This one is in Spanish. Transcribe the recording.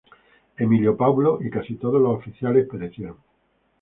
Emilio Paulo y casi todos los oficiales perecieron.